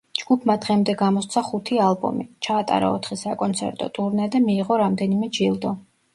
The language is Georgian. ჯგუფმა დღემდე გამოსცა ხუთი ალბომი, ჩაატარა ოთხი საკონცერტო ტურნე და მიიღო რამდენიმე ჯილდო.